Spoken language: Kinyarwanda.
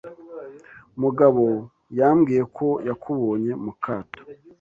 Mugabo yambwiye ko yakubonye mukato.